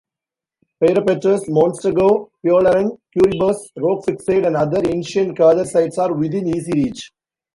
Peyrepertuse, Montsegur, Puilauren, Queribus, Roquefixade and other ancient Cathar sites are within easy reach.